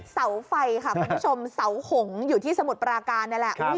เสาไฟค่ะคุณผู้ชมเสาหงอยู่ที่สมุทรปราการนี่แหละ